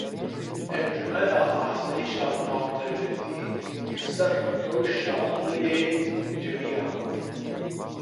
Encûmena Asayîşa Navdewletî li ser rewşa Sûriyeyê civiya.